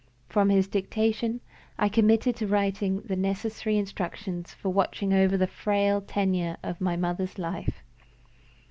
From his dictation, I committed to writing the necessary instructions for watching over the frail tenure of my mother's life.